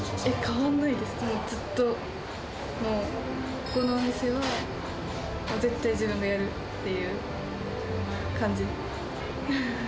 変わんないです、ずっともうこのお店は絶対、自分がやるっていう感じ。